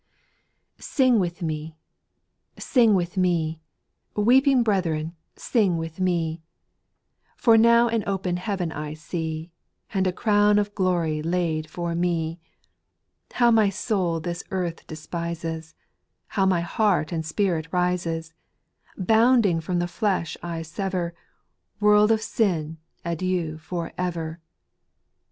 1. Ci ING with me I sing with me I O Weeping brethren, sing with me ! For now an open heaven I see, And a crown of glory laid for me ; How my soul this earth despises I How my heart and spirit rises I Bounding from the flesh I sever I World of sin, adieu, for ever I 2.